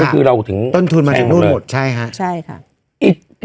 ก็คือเราถึงต้นทุนมาถึงนู่นหมดใช่ฮะใช่ค่ะ